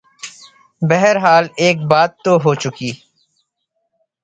بہرحال ایک بات تو ہو چکی۔